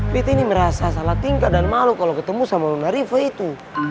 bete ini merasa salah tingkat dan malu kalo ketemu sama nona riva itu